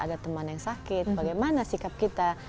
ada teman yang sakit bagaimana sikap kita